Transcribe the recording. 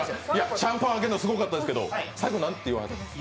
シャンパン開けるのすごかったですけど、最後何とおっしゃったんですか。